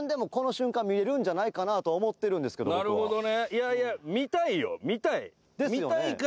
いやいや見たいよ見たい。ですよね。